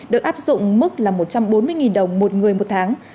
được áp dụng mức là một trăm bốn mươi đồng một người một tháng